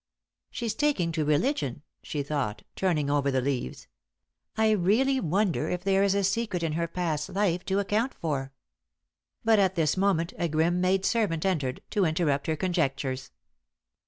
"She's taking to religion," she thought, turning over the leaves. "I really wonder if there is a secret in her past life to account for " But at this moment a grim maid servant entered I to interrupt her conjectures.